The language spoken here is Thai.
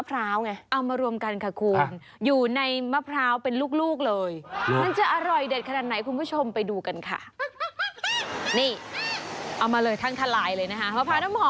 หลายคนอาจจะยังไม่เคยเห็น